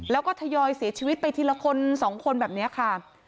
แล้วก็ทยอยเสียชีวิตไปทีละคนสองคนแบบนี้ค่ะ